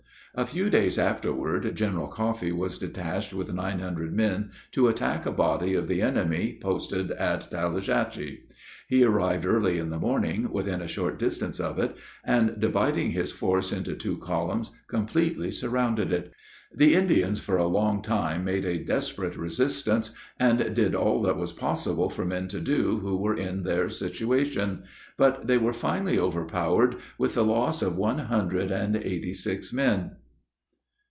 A few days afterward, General Coffee was detached with nine hundred men to attack a body of the enemy, posted at Tallushatchee. He arrived early in the morning within a short distance of it, and, dividing his force into two columns, completely surrounded it. The Indians, for a long time, made a desperate resistance, and did all that was possible for men to do who were in their situation. But they were finally overpowered, with the loss of one hundred an eighty six men.